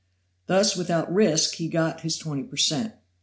Thus without risk he got his twenty per cent.